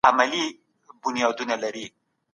د دغې کوڅې په سر کي یو لوی دوکان دی.